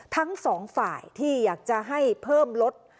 ทั้งสองฝ่ายที่อยากจะให้เพิ่มลด